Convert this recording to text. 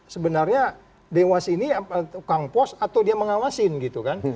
sebenarnya dewas ini kang pos atau dia mengawasin gitu kan